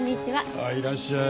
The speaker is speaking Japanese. ああいらっしゃい。